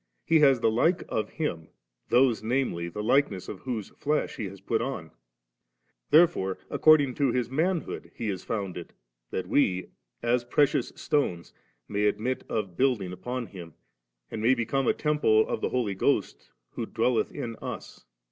He has the like of Him, those namely the likeness of whose flesh He has put on. Therefore acceding to His manhood He is foimded, that we, as precious stones, may admit of building upon Him, and may become a temple of the Holy Ghost who dwelleth in us.